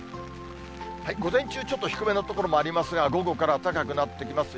午前中、ちょっと低めの所もありますが、午後からは高くなってきます。